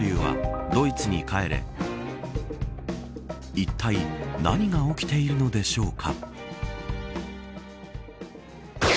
いったい何が起きているのでしょうか。